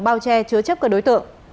bao che chứa chấp các đối tượng